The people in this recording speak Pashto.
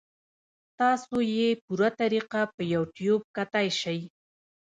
تاسو ئې پوره طريقه پۀ يو ټيوب کتے شئ -